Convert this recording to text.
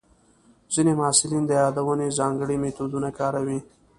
ځینې محصلین د یادونې ځانګړي میتودونه کاروي.